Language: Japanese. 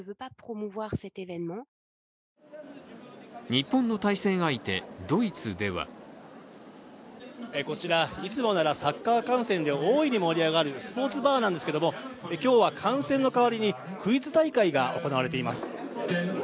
日本の対戦相手、ドイツではこちら、いつもならサッカー観戦で大いに盛り上がるスポーツバーなんですけども、今日は観戦の代わりにクイズ大会が開かれています。